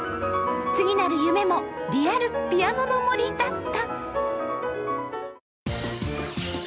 次なる夢もリアル「ピアノの森」だった。